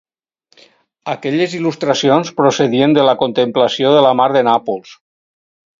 Aquelles il·lustracions procedien de la contemplació de la mar de Nàpols.